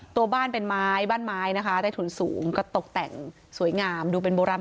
ตัวบ้านเป็นไม้บ้านไม้นะคะใต้ถุนสูงก็ตกแต่งสวยงามดูเป็นโบราณ